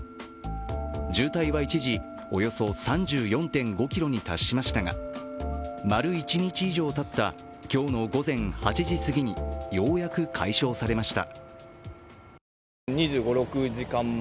渋滞は一時およそ３４．５ｋｍに達しましたが、丸一日以上たった今日の午前８時すぎにようやく解消されました。